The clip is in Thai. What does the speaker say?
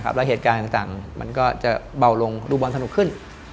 แล้วเหตุการณ์ต่างมันก็จะเบาลงดูบอลสนุกขึ้น